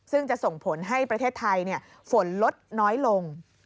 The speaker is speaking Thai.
ซึ่งจะส่งผลให้ประเทศไทยฝนลดน้อยลง